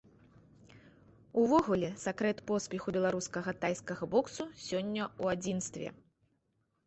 Увогуле сакрэт поспеху беларускага тайскага боксу сёння ў адзінстве.